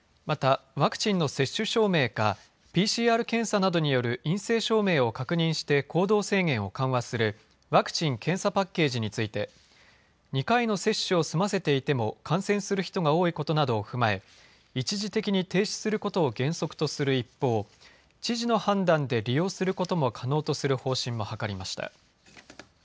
また、ワクチンの接種証明かＰＣＲ検査などによる陰性証明を確認して行動制限を緩和するワクチン・検査パッケージについて２回の接種を済ませていても感染する人が多いことなどを踏まえ一時的に停止することを原則とする一方、知事の判断で利用することも可能とする方針も諮りました。